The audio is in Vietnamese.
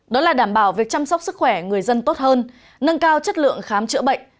đó là đảm bảo việc chăm sóc sức khỏe người dân tốt hơn nâng cao chất lượng khám chữa bệnh